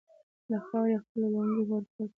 له خاورو يې خپله لونګۍ ور پورته کړه.